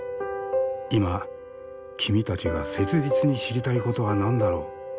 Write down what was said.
今君たちが切実に知りたいことは何だろう？